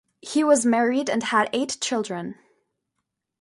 He was married and had eight children.